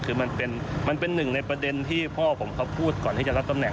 คือมันเป็นหนึ่งในประเด็นที่พ่อผมเขาพูดก่อนที่จะรับตำแหน